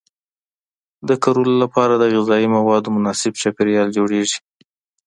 د کرلو لپاره د غذایي موادو مناسب چاپیریال جوړیږي.